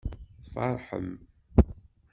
Tfeṛḥem.